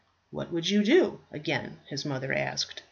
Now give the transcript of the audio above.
"What would you do?" again his mother asked.